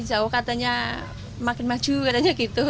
insya allah katanya makin maju katanya gitu